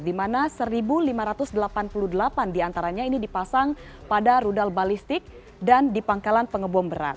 di mana satu lima ratus delapan puluh delapan diantaranya ini dipasang pada rudal balistik dan di pangkalan pengebom berat